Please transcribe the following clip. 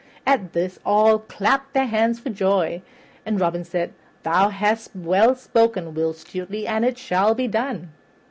At this all clapped their hands for joy, and Robin said: "Thou hast well spoken, Will Stutely, and it shall be done."